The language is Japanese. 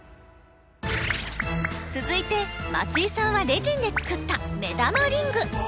続いて松井さんはレジンで作った目玉リング。